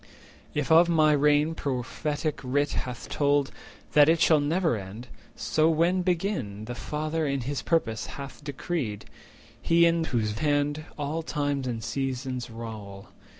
If of my reign Prophetic Writ hath told That it shall never end, so, when begin The Father in his purpose hath decreed— He in whose hand all times and seasons rowl.